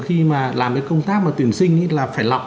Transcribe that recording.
khi mà làm cái công tác mà tuyển sinh thì là phải lọc